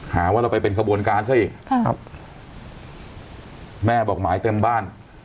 หาว่าเราไปเป็นขบวนการซะอีกครับแม่บอกหมายเต็มบ้าน